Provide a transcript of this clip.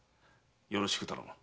よろしく頼む。